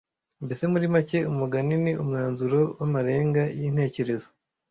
Mbese muri make umugani ni umwanzuro w’amarenga y’intekerezo